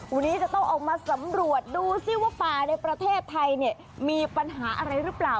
วันนี้จะต้องออกมาสำรวจดูสิว่าป่าในประเทศไทยเนี่ยมีปัญหาอะไรหรือเปล่า